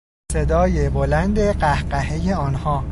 صدای بلند قهقههی آنها